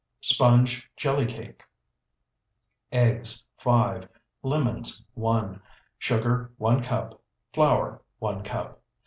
SPONGE JELLY CAKE Eggs, 5. Lemons, 1. Sugar, 1 cup. Flour, 1 cup.